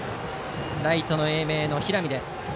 ライトの英明の平見です。